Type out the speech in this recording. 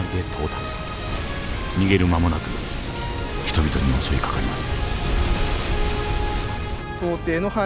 逃げる間もなく人々に襲いかかります。